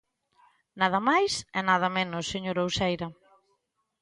Nada máis e nada menos, señora Uceira.